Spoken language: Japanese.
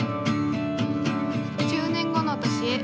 １０年後の私へ。